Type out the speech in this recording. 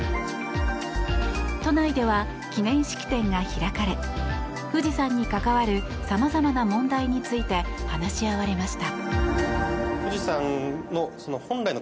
都内では記念式典が開かれ富士山に関わる様々な問題について話し合われました。